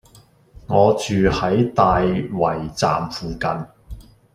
我住喺大圍站附近